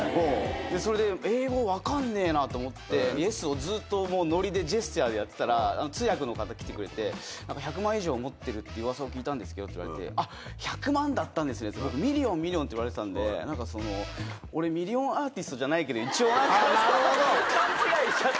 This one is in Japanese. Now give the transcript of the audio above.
それで英語分かんねぇなと思って、イエスをずっと、もうノリでジェスチャーでやってたら、通訳の方来てくれて、なんか１００万円以上持ってるってうわさを聞いたんですけどって言われて、あっ、１００万だったんですねって、ミリオン、ミリオンって言われてたんで、なんか、俺、ミリオンアーティストじゃないけど、一応、アーティストだから、勘違いしちゃって。